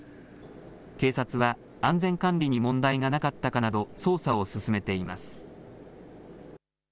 警察は安全管理に問題がなかったかなど捜査を進めています。